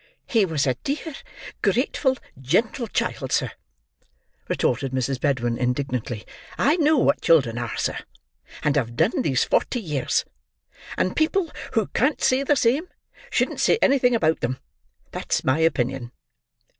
"He was a dear, grateful, gentle child, sir," retorted Mrs. Bedwin, indignantly. "I know what children are, sir; and have done these forty years; and people who can't say the same, shouldn't say anything about them. That's my opinion!"